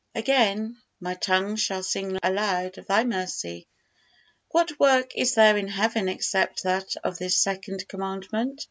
Again: "My tongue shall sing aloud of Thy mercy." What work is there in heaven except that of this Second Commandment?